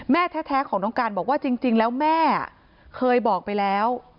แม่แท้ของน้องการบอกว่าจริงแล้วแม่เคยบอกไปแล้ว